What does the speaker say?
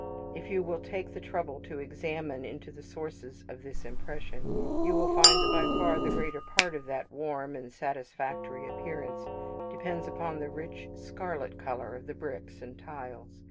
If you will take the trouble to examine into the sources of this impression, you will find that by far the greater part of that warm and satisfactory appearance depends upon the rich scarlet colour of the bricks and tiles.